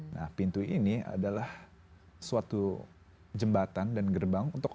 nah pintu ini adalah suatu jembatan dan gerbang